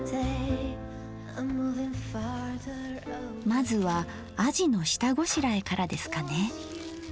まずはあじの下ごしらえからですかね。